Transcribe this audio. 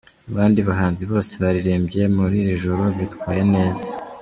Abandi bahanzi bose baririmbye muri iri joro bitwaye neza.